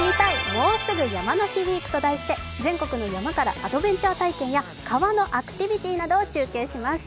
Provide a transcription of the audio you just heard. もうすぐ山の日ウィーク」と題して全国の山からアドベンチャー体験や川のアクティビティーを紹介します。